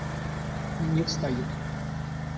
Не встают.